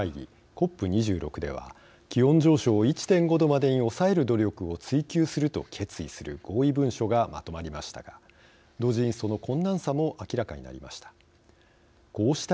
ＣＯＰ２６では気温上昇を１．５℃までに抑える努力を追求すると決意する合意文書がまとまりましたが同時にその困難さも明らかになりました。